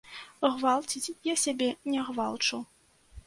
Гвалціць я сябе не гвалчу.